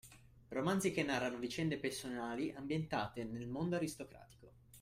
Romanzi che narrano vicende passionali ambientate nel mondo aristocratico.